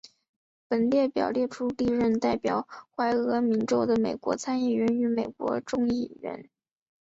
本列表列出历任代表怀俄明州的美国参议院与美国众议院议员。